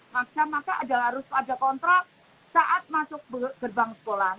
maka adalah harus ada kontrol saat masuk gerbang sekolah